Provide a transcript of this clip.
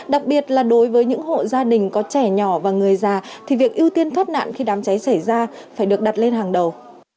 đặc biệt là đối với những hộ gia đình có trẻ nhỏ và người già thì việc ưu tiên thoát nạn khi đám cháy xảy ra phải được đặt lên hàng đầu